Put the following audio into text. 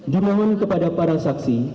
di mohon kepada para saksi